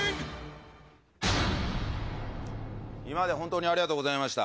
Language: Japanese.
今まで本当にありがとうございました。